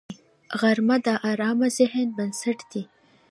غرمه د ارام ذهن بنسټ دی